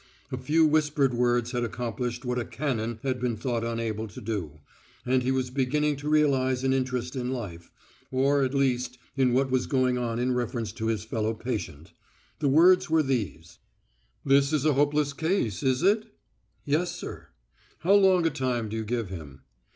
A few whispered words had accomplished what a cannon had been thought unable to do, and he was beginning to realize an interest in life, or at least in what was going on in reference to his fellow patient. The words were these: "This is a hopeless case, is it?" "Yes, sir." "How long a time do you give him?"